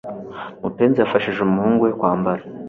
mupenzi yafashije umuhungu we kwambara